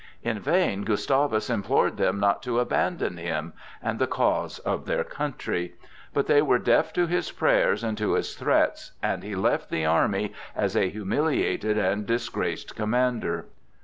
In vain Gustavus implored them not to abandon him and the cause of their country; but they were deaf to his prayers and to his threats, and he left the army as a humiliated and disgraced commander.